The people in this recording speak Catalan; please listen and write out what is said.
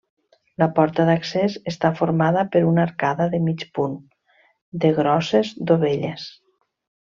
La porta d'accés està formada per una arcada de mig punt de grosses dovelles.